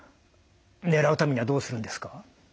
狙うためにはどうするんですか？